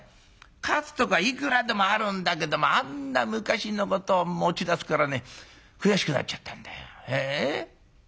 勝つとこいくらでもあるんだけどもあんな昔のことを持ち出すからね悔しくなっちゃったんだよ。